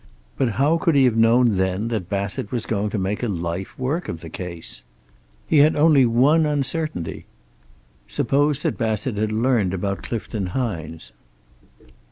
But how could he have known then that Bassett was going to make a life work of the case? He had only one uncertainty. Suppose that Bassett had learned about Clifton Hines?